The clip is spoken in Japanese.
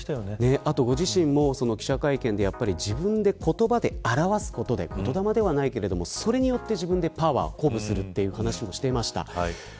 あとご自身も、記者会見で自分で言葉で表すことで言霊ではないけれどもそれによって鼓舞するという話をしていました。